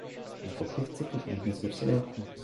"na pokrywce porządne zwierciadełko!"